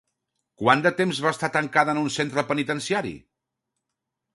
Quant de temps va estar tancada en un centre penitenciari?